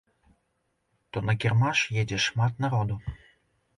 То на кірмаш едзе шмат народу.